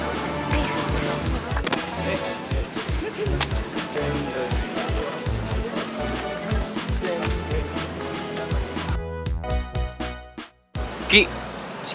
yang lu fragen selama itu gak pernah jadi kayak gini